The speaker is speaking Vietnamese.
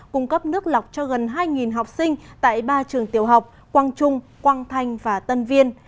cung cấp nước lọc cho gần hai học sinh tại ba trường tiểu học quang trung quang thanh và tân viên